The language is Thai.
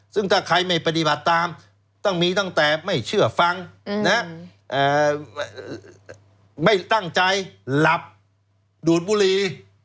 ซึ่งถ้าใครไม่ปฏิบัติตามต้องมีตั้งแต่ไม่เชื่อฟังไม่ตั้งใจหลับดูดบุรี